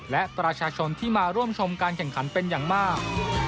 และประชาชนที่มาร่วมชมการแข่งขันเป็นอย่างมาก